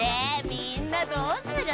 みんなどうする？